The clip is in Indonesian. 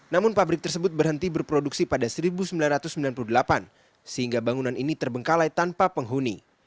namun pabrik tersebut berhenti berproduksi pada seribu sembilan ratus sembilan puluh delapan sehingga bangunan ini terbengkalai tanpa penghuni